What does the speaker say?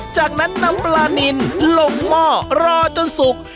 จากนั้นนำปลานินลงหม้อรอจนสุก